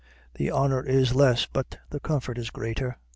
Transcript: The honor is less, but the comfort is greater.